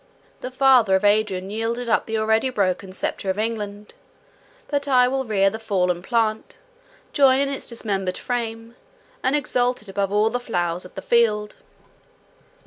The father of Adrian yielded up the already broken sceptre of England; but I will rear the fallen plant, join its dismembered frame, and exalt it above all the flowers of the field.